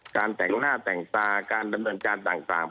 แต่งหน้าแต่งตาการดำเนินการต่าง